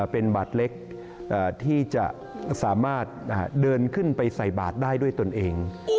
เป็นบาทเล็กที่จะสามารถเดินขึ้นไปใส่บาทได้ด้วยตนเอง